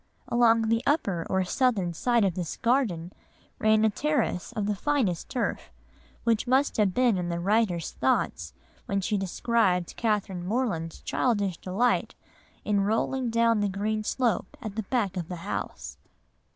Along the upper or southern side of this garden ran a terrace of the finest turf, which must have been in the writer's thoughts when she described Catherine Morland's childish delight in 'rolling down the green slope at the back of the house.